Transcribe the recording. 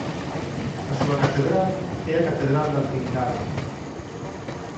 A súa catedral é a Catedral da Trindade.